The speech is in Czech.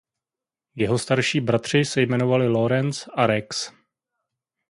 Jeho starší bratři se jmenovali "Lawrence" a "Rex".